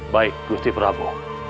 baik gusti prabu